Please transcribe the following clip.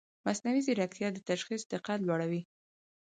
مصنوعي ځیرکتیا د تشخیص دقت لوړوي.